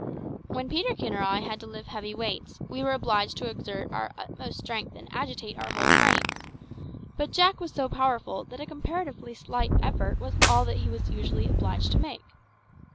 When Peterkin or I had to lift heavy weights, we were obliged to exert our utmost strength and agitate our whole frames; but Jack was so powerful that a comparatively slight effort was all that he was usually obliged to make.